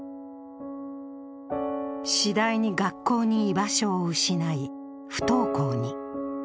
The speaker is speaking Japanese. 次第に学校に居場所を失い、不登校に。